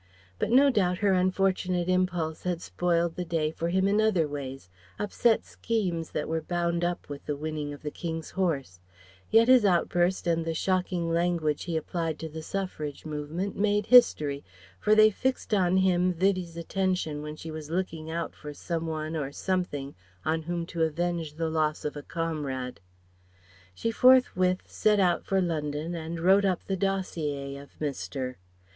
But no doubt her unfortunate impulse had spoiled the day for him in other ways, upset schemes that were bound up with the winning of the King's horse. Yet his outburst and the shocking language he applied to the Suffrage movement made history: for they fixed on him Vivie's attention when she was looking out for some one or something on whom to avenge the loss of a comrade. [Footnote 1: He died in 1917. My jury of matrons has excised his phrases.] She forthwith set out for London and wrote up the dossier of Mr.